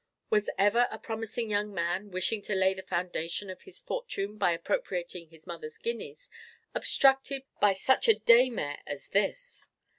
Was ever a promising young man wishing to lay the foundation of his fortune by appropriating his mother's guineas obstructed by such a day mare as this?